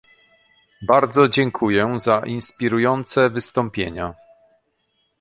Bardzo dziękuję za inspirujące wystąpienia